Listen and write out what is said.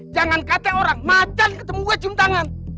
jangan kata orang madan ketemu gue cium tangan